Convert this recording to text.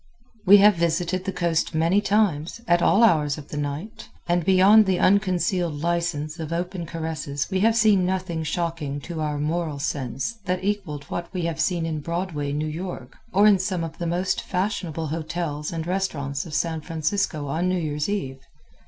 We have visited the Coast many times, at all hours of the night, and beyond the unconcealed license of open caresses we have seen nothing shocking to our moral sense that equaled what we have seen in Broadway, New York, or in some of the most fashionable hotels and restaurants of San Francisco on New Year's Eve.